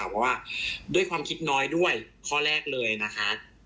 เพราะว่าด้วยความคิดน้อยด้วยข้อแรกเลยนะคะ